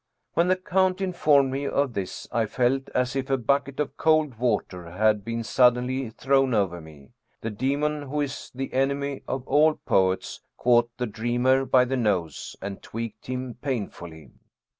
When the count informed me of this I felt as if a bucket of cold water had been suddenly thrown over me. The demon who is the enemy of all poets caught the dreamer by the nose and tweaked him painfully.